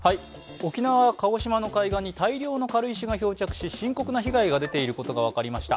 沖縄、鹿児島の海岸に大量の軽石が漂着し深刻な被害が出ていることが分かりました。